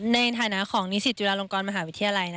ในฐานะของนิสิตจุฬาลงกรมหาวิทยาลัย